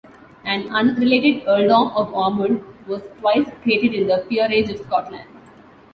An unrelated Earldom of Ormonde was twice created in the Peerage of Scotland.